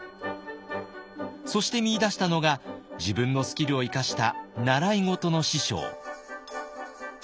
そして見いだしたのが自分のスキルを生かした習い事の師匠。